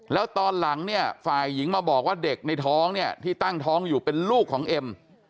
แล้วตอนหลังเนี่ยฝ่ายหญิงมาบอกว่าเด็กในท้องเนี่ยที่ตั้งท้องอยู่เป็นลูกของเอ็ม